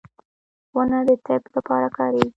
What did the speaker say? • ونه د طب لپاره کارېږي.